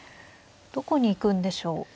どこに行くんでしょう。